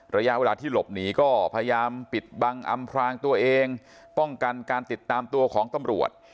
ระยะเวลาที่หลบหนีก็พยายามปิดบังอำพรางตัวเองป้องกันการติดตามตัวของตำรวจ